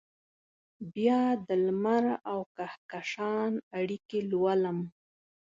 بیا دلمر اوکهکشان اړیکې لولم